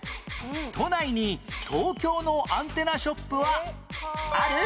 都内に東京のアンテナショップはある？